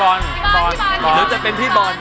หรือจะเป็นพี่บอล